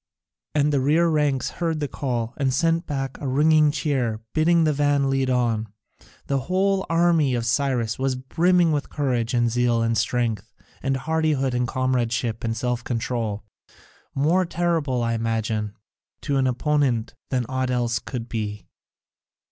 And the rear ranks heard the call, and sent back a ringing cheer, bidding the van lead on. The whole army of Cyrus was brimming with courage and zeal and strength and hardihood and comradeship and self control; more terrible, I imagine, to an opponent than aught else could be.